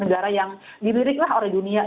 itu negara yang diriliklah oleh dunia